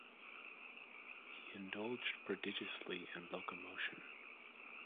He indulged prodigiously in locomotion.